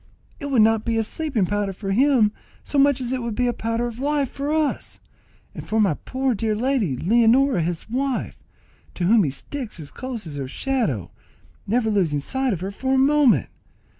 It would not be a sleeping powder for him so much as it would be a powder of life for all of us, and for my poor dear lady, Leonora his wife, to whom he sticks as close as her shadow, never losing sight of her for a moment.